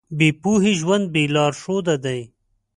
بې پوهې ژوند بې لارښوده دی.